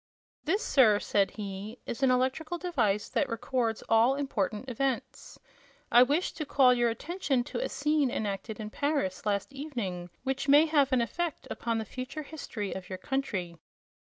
"This, sir," said he, "is an electrical device that records all important events. I wish to call your attention to a scene enacted in Paris last evening which may have an effect upon the future history of your country."